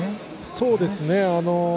そうですね。